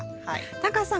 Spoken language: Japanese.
タカさん